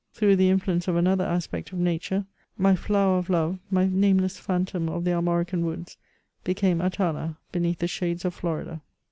Through the influence of another aspect of nature, my flower of k. CHATEAUBRIAND. S27 love, my nameless phantom of the Armorican woods, became Atala beneath the shades of Floiida.